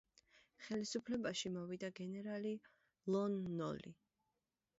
ხელისუფლებაში მოვიდა გენერალი ლონ ნოლი.